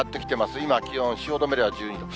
今、気温、汐留では１２度。